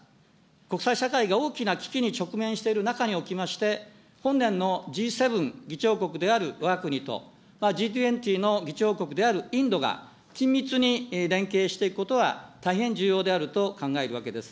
国際社会が大きな危機に直面している中におきまして、本年のＧ７議長国であるわが国と、Ｇ２０の議長国であるインドが、緊密に連携していくことは、大変重要であると考えるわけです。